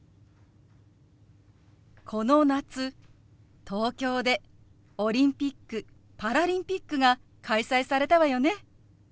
この夏東京でオリンピック・パラリンピックが開催されたわよね。